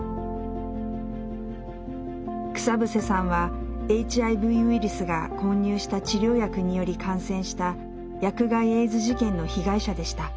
草伏さんはＨＩＶウイルスが混入した治療薬により感染した薬害エイズ事件の被害者でした。